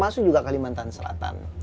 terus juga kalimantan selatan